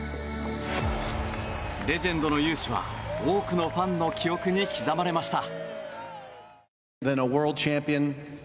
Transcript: レジェンドの雄姿は多くのファンの記憶に刻まれました。